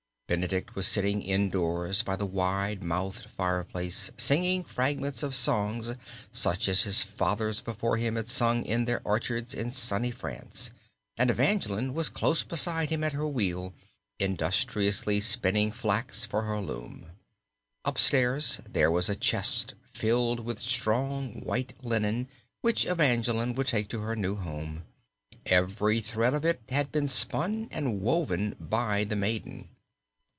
Benedict was sitting in doors by the wide mouthed fireplace singing fragments of songs such as his fathers before him had sung in their orchards in sunny France, and Evangeline was close beside him at her wheel industriously spinning flax for her loom. Up stairs there was a chest filled with strong white linen which Evangeline would take to her new home. Every thread of it had been spun and woven by the maiden.